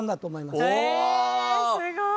すごい！